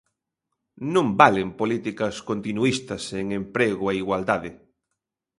Non valen políticas continuístas en emprego e igualdade.